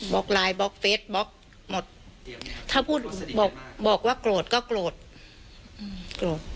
บล็อกไลน์บล็อกเฟสบล็อกหมดถ้าพูดบอกว่าโกรธก็โกรธโกรธ